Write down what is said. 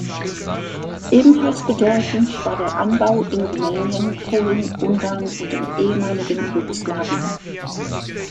Ebenfalls bedeutend war der Anbau in Rumänien, Polen, Ungarn und im ehemaligen Jugoslawien.